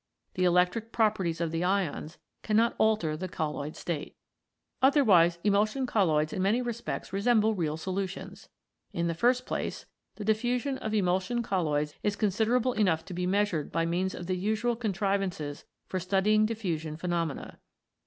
The electric properties of the ions cannot alter the colloid state. Otherwise emulsion colloids in many respects resemble real solutions. In the first place, the diffusion of emulsion colloids is considerable enough to be measured by means of the usual con trivances for studying diffusion phenomena.